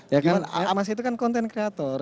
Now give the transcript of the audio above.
ya kan mas itu kan content creator